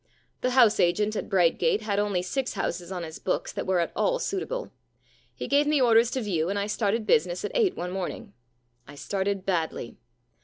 * The house agent at Brightgate had only six houses on his books that were at all suit able. He gave me orders to view, and I started business at eight one morning. I started badly.